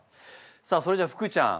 さあそれじゃあ福ちゃん